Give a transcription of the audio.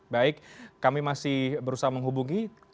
baik kami masih berusaha menghubungi